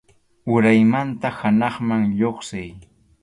Uraymanta hanaqman lluqsiy.